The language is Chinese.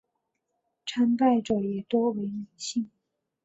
参拜者也多为女性。